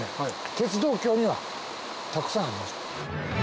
鉄道橋にはたくさんありました。